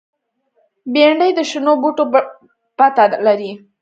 بېنډۍ د شنو بوټو پته لري